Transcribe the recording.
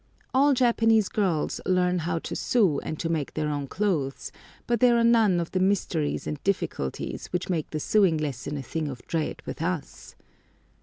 All Japanese girls learn to sew and to make their own clothes, but there are none of the mysteries and difficulties which make the sewing lesson a thing of dread with us.